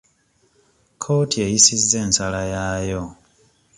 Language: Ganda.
Kkooti eyisizza ensala yaayo.